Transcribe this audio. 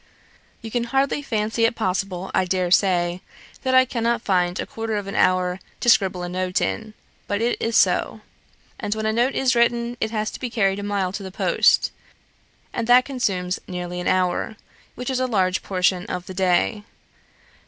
"You can hardly fancy it possible, I dare say, that I cannot find a quarter of an hour to scribble a note in; but so it is; and when a note is written, it has to be carried a mile to the post, and that consumes nearly an hour, which is a large portion of the day.